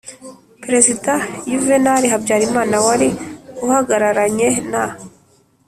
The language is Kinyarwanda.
perezida yuvenali habyarimana wari uhagararanye na